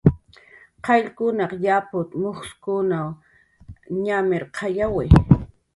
"Qayllunkunaq yaput"" mujskun ñamirqayawi"